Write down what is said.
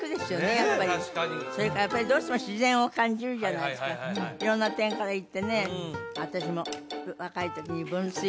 やっぱりそれからやっぱりどうしても自然を感じるじゃないですか色んな点から言ってね